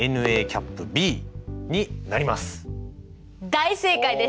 大正解です！